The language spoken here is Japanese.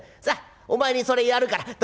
さあお前にそれやるから」。